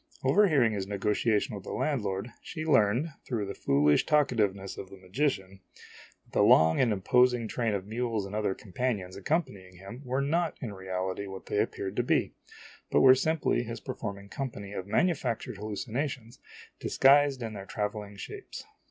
Overhearing his negotiation with the landlord, she learned, through the foolish talkativeness of the magician, that ARRIVAL OF THE COMMERCIAL MAGICIAN. THE ASTROLOGER'S NIECE 89 the long and imposing train of mules and other companions ac companying him were not., in reality, what they appeared to be, but were simply his performing company of manufactured hallucinations disguised in their traveling shapes.